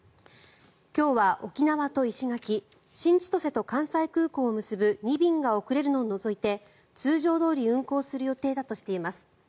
今日は沖縄と石垣新千歳と関西空港を結ぶ２便が遅れるのを除いて通常どおり運航する予定だとしています。